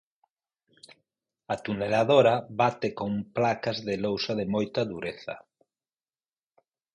A tuneladora bate con placas de lousa de moita dureza.